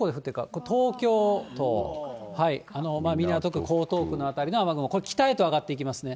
これ、東京都、港区、江東区の辺りの雨雲、これ、北へと上がっていきますね。